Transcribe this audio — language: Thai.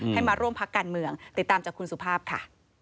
ให้มาร่วมพักการเมืองติดตามจากคุณสุภาพค่ะ